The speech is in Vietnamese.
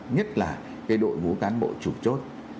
nhất là cái đội vũ cán bộ chủ chốt